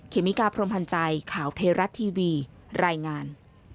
เมกาพรมพันธ์ใจข่าวเทราะทีวีรายงาน